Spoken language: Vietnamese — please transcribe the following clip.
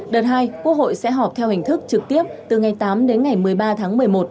đợt hai quốc hội sẽ họp theo hình thức trực tiếp từ ngày tám đến ngày một mươi ba tháng một mươi một